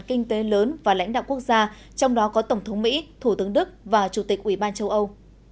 kinh tế lớn và lãnh đạo quốc gia trong đó có tổng thống mỹ thủ tướng đức và chủ tịch ủy ban châu âu